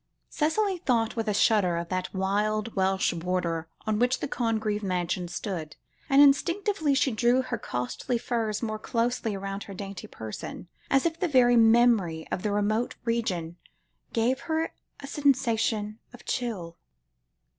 Cicely thought with a shudder of that wild Welsh border on which the Congreve mansion stood, and instinctively she drew her costly furs more closely round her dainty person, as if the very memory of the remote region gave her a sensation of chill.